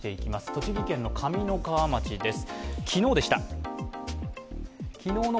栃木県上三川町です。